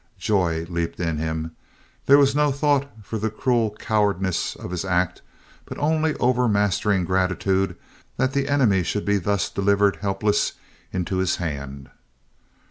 Joy leaped in him. There was no thought for the cruel cowardice of his act but only overmastering gratitude that the enemy should be thus delivered helpless into his hand.